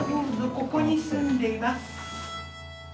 ここに住んでいます。